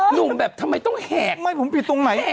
หนุ่มแบบทำไมต้องแหกแหกแบบแหกไม่ผมผิดตรงไหน